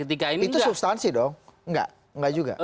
itu substansi dong enggak juga